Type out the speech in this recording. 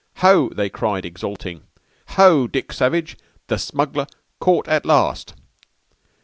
_ _"'Ho!' they cried exulting. 'Ho! Dick Savage the smugler caught at last!'